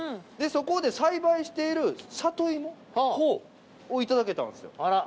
そこで栽培している里芋を頂けたんですよ。